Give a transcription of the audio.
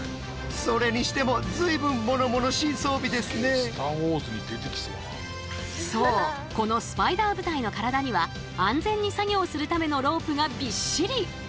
これだけでそうこのスパイダー部隊の体には安全に作業するためのロープがびっしり。